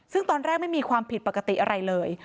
ซึ่งตอนแรกไม่มีความผิดปกติอะไรเลย